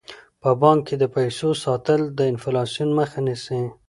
په بانک کې د پیسو ساتل د انفلاسیون مخه نیسي.